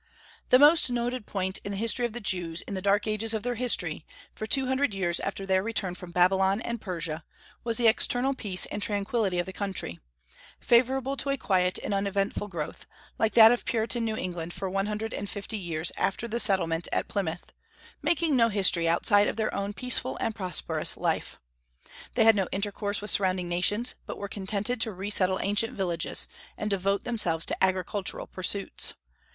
The most noted point in the history of the Jews in the dark ages of their history, for two hundred years after their return from Babylon and Persia, was the external peace and tranquillity of the country, favorable to a quiet and uneventful growth, like that of Puritan New England for one hundred and fifty years after the settlement at Plymouth, making no history outside of their own peaceful and prosperous life. They had no intercourse with surrounding nations, but were contented to resettle ancient villages, and devote themselves to agricultural pursuits.